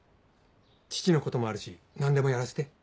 父のこともあるし何でもやらせて。